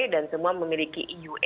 dan semua memiliki iue